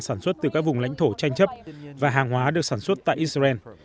sản xuất từ các vùng lãnh thổ tranh chấp và hàng hóa được sản xuất tại israel